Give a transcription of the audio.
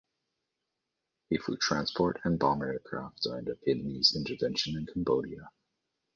He flew transport and bomber aircraft during the Vietnamese intervention in Cambodia.